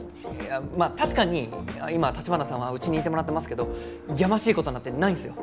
まあ確かに今城華さんはうちにいてもらってますけどやましい事なんてないんすよ。